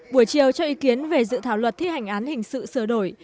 buổi chiều cho ý kiến về dự thảo luật thi hành án hình sự sửa đổi